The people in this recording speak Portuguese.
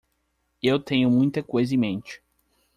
Eu tenho muita coisa em mente.